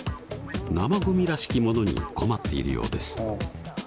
生ゴミらしきものに困っているようです。